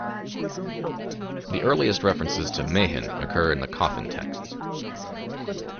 The earliest references to Mehen occur in the Coffin Texts.